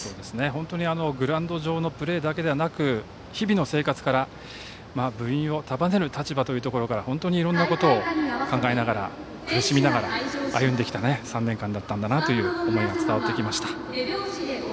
本当にグラウンド上のプレーだけではなく日々の生活から、部員を束ねる立場というところから本当にいろんなことを考えながら苦しみながら歩んできた３年間だったんだなという思いが伝わってきました。